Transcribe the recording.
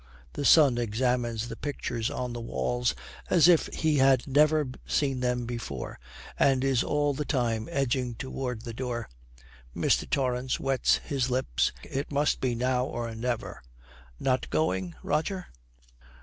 The son examines the pictures on the walls as if he had never seen them before, and is all the time edging toward the door. Mr. Torrance wets his lips; it must be now or never, 'Not going, Roger?'